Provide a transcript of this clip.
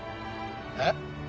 えっ？